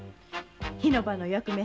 火の番のお役目。